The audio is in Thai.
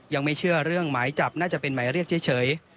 ยังไม่เชื่อเรื่องหมายจับน่าจะเป็นหมายเรียกเฉย